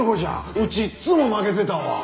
うちいっつも負けてたわ！